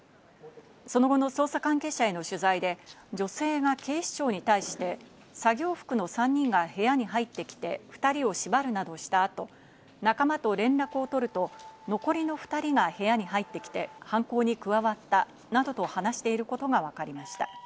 その後の捜査関係者への取材で、女性が警視庁に対して、作業服の３人が部屋に入ってきて２人を縛るなどした後、仲間と連絡を取ると残りの２人が部屋に入ってきて、犯行に加わったなどと話していることがわかりました。